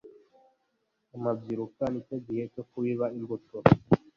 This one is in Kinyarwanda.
Amabyiruka ni cyo gihe cyo kubiba imbuto.